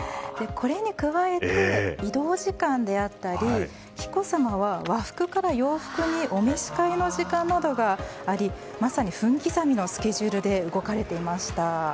これに加えて移動時間であったり紀子さまは和服から洋服にお召し替えの時間などがありまさに分刻みのスケジュールで動かれていました。